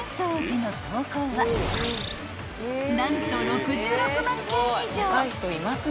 ［何と６６万件以上］